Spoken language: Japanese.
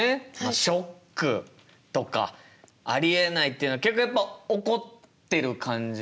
ショックとかありえないっていうのは結局やっぱ怒ってる感じかな？